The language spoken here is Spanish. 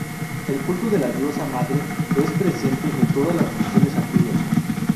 El culto de la diosa madre es presente en todas las religiones antiguas.